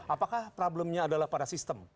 apakah problemnya adalah pada sistem